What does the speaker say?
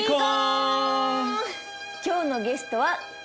今日のゲストはこの方！